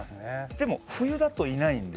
でも冬だといないんで。